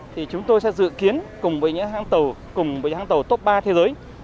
thì chúng tôi sẽ dự kiến cùng với những hàng tàu top ba thế giới